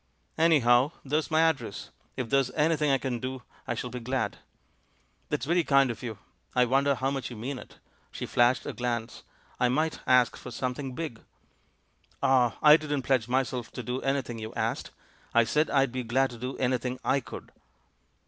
"Anyhow, there's my address. If there's any thing I can do I shall be glad." "That's very kind of you. I wonder how much you mean it?" She flashed a glance. "I might ask for something big." "Ah, I didn't pledge myself to do anything you asked; I said I'd be glad to do anything I could."